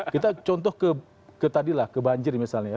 kita contoh ke tadi lah ke banjir misalnya ya